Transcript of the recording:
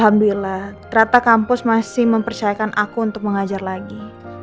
alhamdulillah ternyata kampus masih mempercayakan aku untuk mengajar lagi